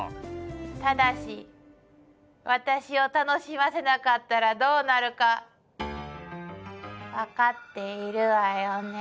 ただし私を楽しませなかったらどうなるか分かっているわよね。